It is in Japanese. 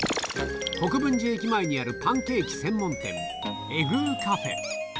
国分寺駅前にあるパンケーキ専門店、ｅｇｇｇカフェ。